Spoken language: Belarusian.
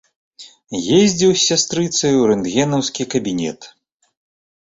Ездзіў з сястрыцаю ў рэнтгенаўскі кабінет.